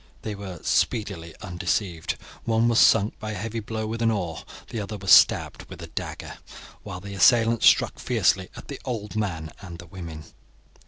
They were speedily undeceived. One was sunk by a heavy blow with an oar, the other was stabbed with a dagger, while the assailants struck fiercely at the old man and the women.